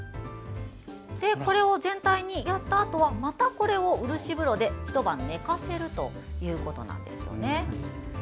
これを全体にやったあとはまた、これを漆風呂で、ひと晩寝かせるということなんですよね。